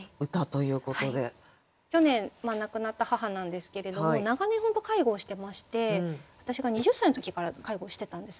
去年亡くなった母なんですけれども長年本当介護をしてまして私が２０歳の時から介護してたんですね。